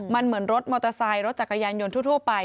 มันเหมือนรถมอเตอร์ไซค์รถจักรยานยนต์ทั่วไป